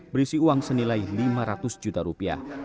berisi uang senilai lima ratus juta rupiah